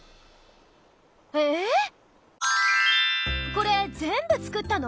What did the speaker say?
これ全部作ったの？